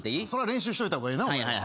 練習しといた方がええな。